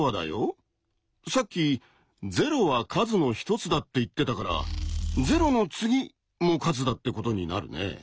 さっき「『０』は数の一つだ」って言ってたから「『０』の次も数だ」ってことになるね。